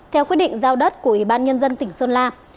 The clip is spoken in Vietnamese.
theo quyết định giao đất của ủy ban nhân dân tỉnh sơn la